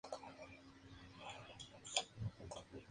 Tuvo numerosos conflictos con los monasterios, a los que se enfrentó.